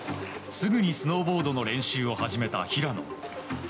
すぐにスノーボードの練習を始めた平野。